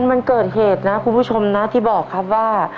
มันเกิดเหตุนะคุณผู้ชมนะที่บอกครับว่า